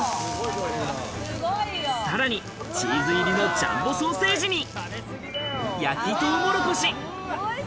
さらにチーズ入りのジャンボソーセージに焼きとうもろこし。